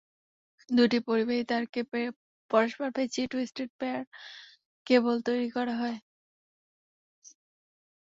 দুটি পরিবাহী তারকে পরস্পর পেঁচিয়ে টুইস্টেড পেয়ার কেব্ল তৈরি করা হয়।